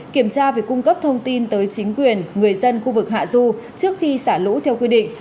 kiểm tra việc cung cấp thông tin tới chính quyền người dân khu vực hạ du trước khi xả lũ theo quy định